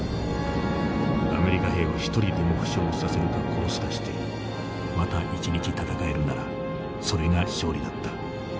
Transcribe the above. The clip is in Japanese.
アメリカ兵を１人でも負傷させるか殺すかしてまた一日戦えるならそれが勝利だった。